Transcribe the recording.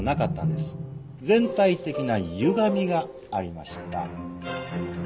全体的なゆがみがありました。